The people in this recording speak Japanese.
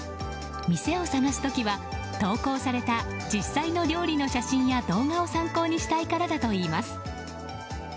店を探す時は投稿された実際の料理の写真や動画を参考にしたいからだといいます。